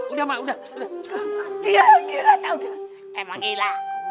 udah mbak udah dia yang gila tau dia emang gila